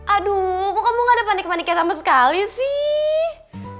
aduh kok kamu gak ada panik paniknya sama sekali sih